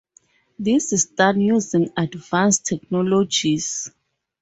This is done using advanced technologies.